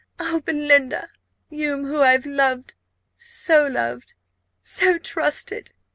"Oh, Belinda! You, whom I have so loved so trusted!"